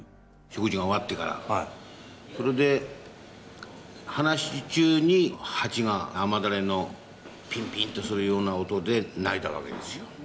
食事が終わってからそれで話し中に鉢が雨だれのぴんぴんとするような音で鳴いたわけですよ。